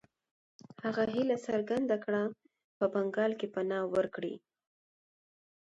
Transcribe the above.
هغه هیله څرګنده کړه په بنګال کې پناه ورکړي.